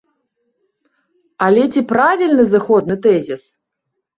Але ці правільны зыходны тэзіс?